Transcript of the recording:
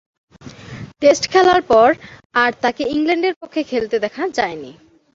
Test খেলার পর আর তাকে ইংল্যান্ডের পক্ষে খেলতে দেখা যায়নি।